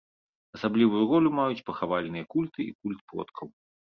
Асаблівую ролю маюць пахавальныя культы і культ продкаў.